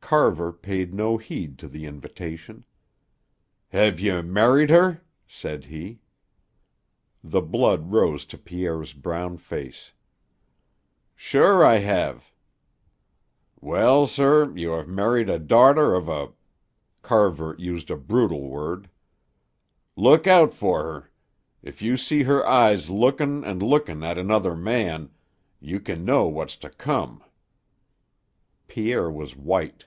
Carver paid no heed to the invitation. "Hev you married her?" said he. The blood rose to Pierre's brown face. "Sure I hev." "Well, sir, you hev married the darter of a " Carver used a brutal word. "Look out fer her. If you see her eyes lookin' an' lookin' at another man, you kin know what's to come." Pierre was white.